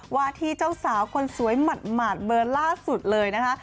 ว่าที่เจ้าสาวคนสวยหมาดเบอร์ล่าสุดเลยนะคะ